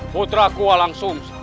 putra ku langsung